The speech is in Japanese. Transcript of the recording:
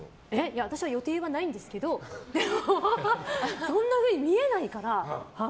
私は予定はないんですけどそんなふうに見えないから。